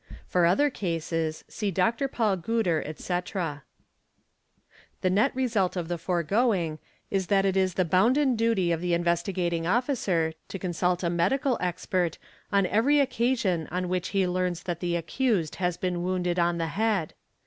For other cases see Dr. Paul Guder, etc.,9 © 10, i % The net result of the foregoing is that it is the bounden duty of the In vestigating Officer to consult a medical expert, on every occasion on y hich he learns that the accused has been wounded on the head.